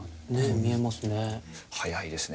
見えますね。